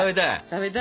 食べたい！